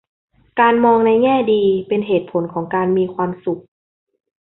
การมองในแง่ดีเป็นเหตุผลของการมีความสุข